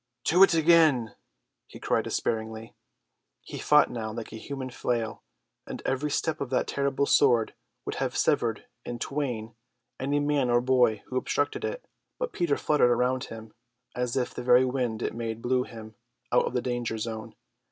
"To't again," he cried despairingly. He fought now like a human flail, and every sweep of that terrible sword would have severed in twain any man or boy who obstructed it; but Peter fluttered round him as if the very wind it made blew him out of the danger zone.